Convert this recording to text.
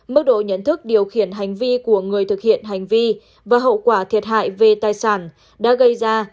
mức độ nhận thức điều khiển hành vi của người thực hiện hành vi và hậu quả thiệt hại về tài sản đã gây ra